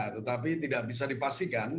tetapi tidak bisa dipastikan